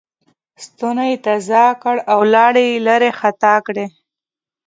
ستونی یې تازه کړ او لاړې یې لېرې خطا کړې.